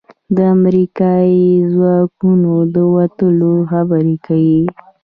د امریکايي ځواکونو د وتلو خبرې کېږي.